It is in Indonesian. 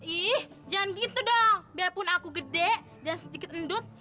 ih jangan gitu dong biarpun aku gede dan sedikit endut